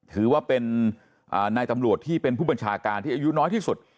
ถือว่าเป็นนายตำรวจที่เป็นผู้บัญชาการที่อายุน้อยที่สุด